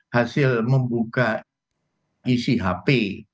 hasil membuka isi hp